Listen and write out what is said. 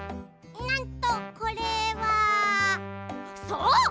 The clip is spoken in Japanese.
なんとこれはそう！